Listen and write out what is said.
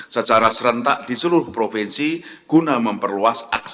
secara serentak di seluruh provinsi guna memperluas akses